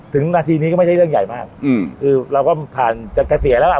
นาทีนี้ก็ไม่ใช่เรื่องใหญ่มากอืมคือเราก็ผ่านจะเกษียณแล้วอ่ะ